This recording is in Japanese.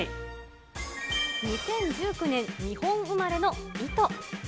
２０１９年、日本生まれのイト。